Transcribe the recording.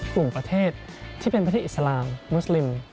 กลุ่มประเทศที่เป็นประเทศอิสลามมุสลิม